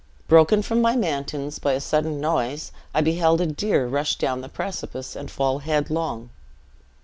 Broken from my matins by a sudden noise, I beheld a deer rush down the precipice, and fall headlong.